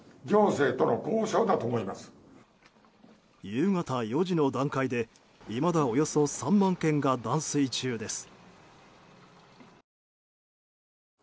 夕方４時の段階でいまだおよそ３万軒が断水中です。